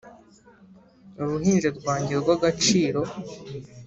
uruhinja rwanjye rw'agaciro